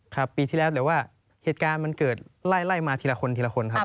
ครับปีที่แล้วแต่ว่าเหตุการณ์มันเกิดไล่มาทีละคนทีละคนครับ